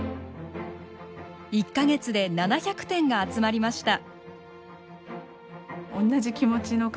１か月で７００点が集まりました。